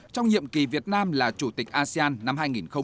trong nhiệm kỳ việt nam là chủ tịch asean năm hai nghìn hai mươi